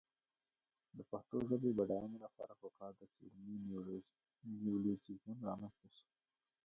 د پښتو ژبې د بډاینې لپاره پکار ده چې علمي نیولوجېزم رامنځته شي.